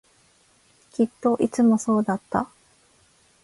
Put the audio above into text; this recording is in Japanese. きっといつもそうだった